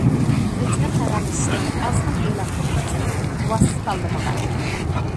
كۆچمە خەۋەرلىشىشنىڭ ئازغىنە ئېلان پۇلى ئۈچۈن ۋاسىتە تاللىمىغان.